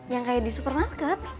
yang kayak di supermarket